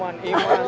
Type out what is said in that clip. banget membagi ya